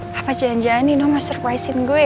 tapi kalau nanti topiro gak kecil lagi